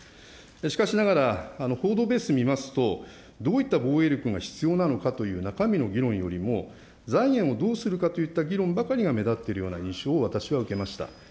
しかしながら、報道ベース見ますと、どういった防衛力が必要なのかという、中身の議論よりも、財源をどうするかという議論ばかりが目立っているような印象を私は受けました。